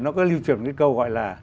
nó có lưu truyền cái câu gọi là